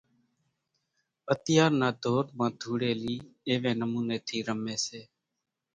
اتيار نا ڌور مان ڌوڙيلي ايوي نموني ٿي رمي سي۔